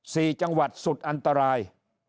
สี่จังหวัดสุดอันตราย